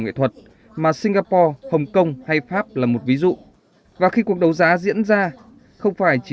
nghệ thuật mà singapore hồng kông hay pháp là một ví dụ và khi cuộc đấu giá diễn ra không phải chỉ